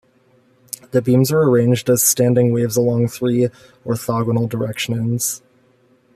The beams are arranged as standing waves along three orthogonal directions.